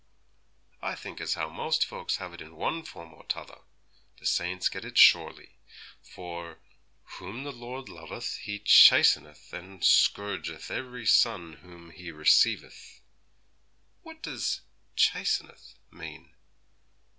'I think as how most folks have it in one form or t'other; the saints get it surely, for "whom the Lord loveth He chasteneth, and scourgeth every son whom He receiveth.'" 'What does "chasteneth" mean?'